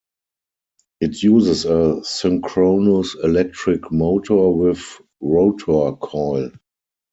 It uses a synchronous electric motor with rotor coil.